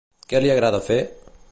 Què li agrada fer?